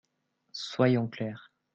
Soyons clairs.